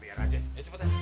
biarin serah lagi